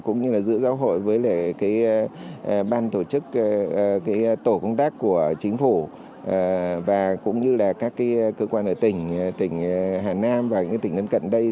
cũng như giữa giáo hội với bàn tổ chức tổ công tác của chính phủ và cũng như các cơ quan ở tỉnh hà nam và tỉnh gần cận đây